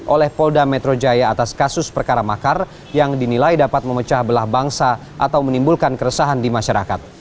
oleh polda metro jaya atas kasus perkara makar yang dinilai dapat memecah belah bangsa atau menimbulkan keresahan di masyarakat